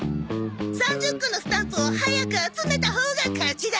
３０個のスタンプを早く集めたほうが勝ちだ。